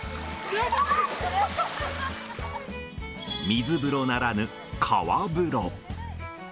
水風呂ならぬ、川風呂。